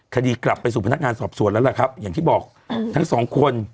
คดีกลับไปสู่พนักงานสอบสวนแล้วล่ะครับอย่างที่บอกทั้งสองคน